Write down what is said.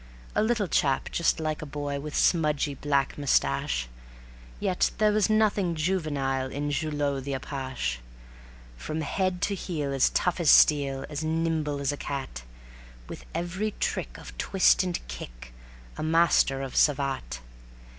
A little chap just like a boy, with smudgy black mustache, Yet there was nothing juvenile in Julot the apache. From head to heel as tough as steel, as nimble as a cat, With every trick of twist and kick, a master of savate.